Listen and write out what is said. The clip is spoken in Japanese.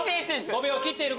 ５秒切っている！